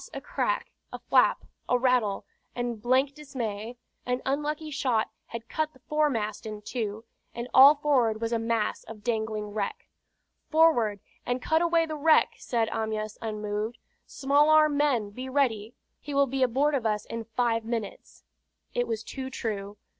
a crack, a flap, a rattle; and blank dismay! An unlucky shot had cut the foremast in two, and all forward was a mass of dangling wreck. "Forward, and cut away the wreck!" said Amyas, unmoved. "Small arm men, be ready. He will be aboard of us in five minutes!" It was too true.